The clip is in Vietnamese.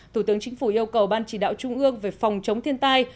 thủ tướng chính phủ yêu cầu ban chỉ đạo trung ương về phòng chống thiên tai